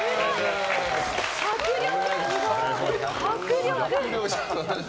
迫力！